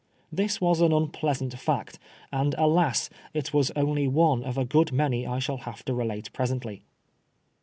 This was an unpleasant fact, and alas I it was only one of a good many I shall have to relate presently.